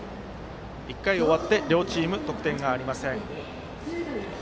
１回終わって両チーム得点ありません。